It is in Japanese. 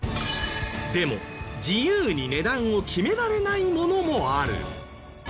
でも自由に値段を決められないものもある。